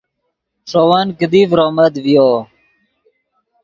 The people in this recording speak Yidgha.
ݰے ون کیدی ڤرومت ڤیو